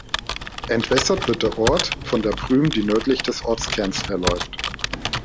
Entwässert wird der Ort von der Prüm, die nördlich des Ortskerns verläuft.